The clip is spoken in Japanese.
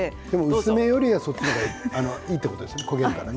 薄めより、そっちの方がいいということですね。